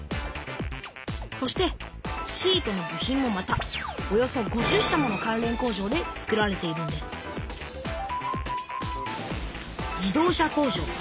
そしてシートの部品もまたおよそ５０社もの関連工場でつくられているんです自動車工場。